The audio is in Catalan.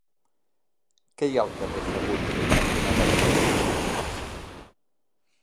Què hi ha al carrer Sagunt cantonada Vallespir?